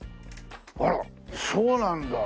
あらそうなんだ！